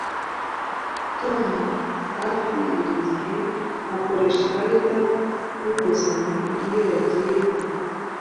Tom hafi buri gihe akoresha ikarita yinguzanyo iyo yagiye guhaha